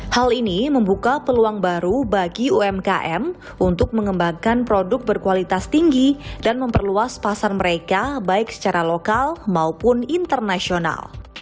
hal ini membuka peluang baru bagi umkm untuk mengembangkan produk berkualitas tinggi dan memperluas pasar mereka baik secara lokal maupun internasional